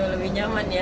lebih nyaman ya